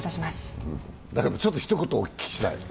だけどちょっとひと言、お聞きしたい。